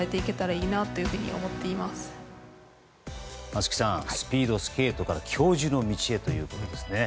松木さんスピードスケートから教授の道へということですね。